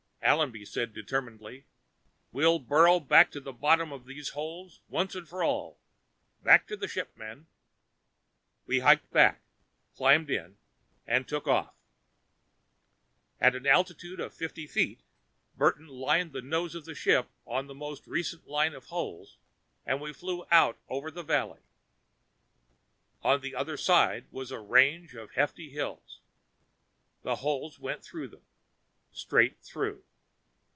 Allenby said determinedly, "We'll burrow to the bottom of these holes, once and for all. Back to the ship, men!" We hiked back, climbed in and took off. At an altitude of fifty feet, Burton lined the nose of the ship on the most recent line of holes and we flew out over the valley. On the other side was a range of hefty hills. The holes went through them. Straight through.